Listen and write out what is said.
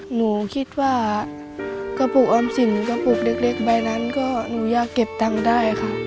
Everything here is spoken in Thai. หนูคิดว่ากระปุกออมสินกระปุกเล็กใบนั้นก็หนูอยากเก็บตังค์ได้ค่ะ